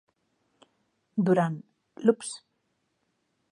Durant l'"ups!"...